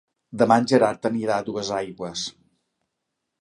Demà en Gerard anirà a Duesaigües.